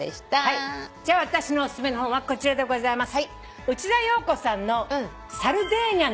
じゃあ私のお薦めの本はこちらでございます。